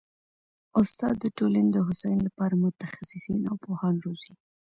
استاد د ټولني د هوسايني لپاره متخصصین او پوهان روزي.